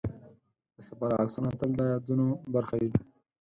د سفر عکسونه تل د یادونو برخه وي.